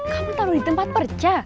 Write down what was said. kamu taruh di tempat perca